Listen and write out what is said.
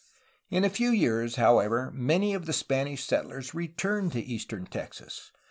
In a few years, however, many of the Spanish settlers returned to eastern Texas.